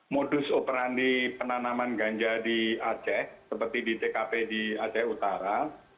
modus operandi penanaman ganja di aceh seperti di tkp di aceh utara